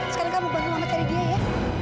sekarang kamu bantu mama cari dia ya